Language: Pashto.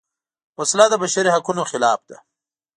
وسله د بشري حقونو خلاف ده